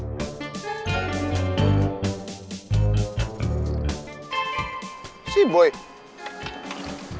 taruh mau jalan dia nongol